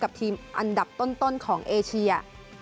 ทีมอันดับต้นของเอเชีย